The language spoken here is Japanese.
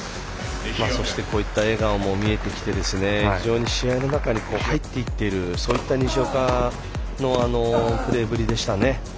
そして、こういった笑顔も見えてきて非常に試合の中に入っていってるそういった西岡のプレーぶりでしたね。